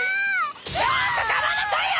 ちょっと黙んなさいよ！